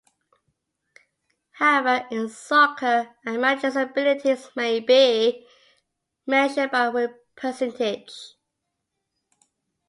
However, in soccer, a manager's abilities may be measured by win percentage.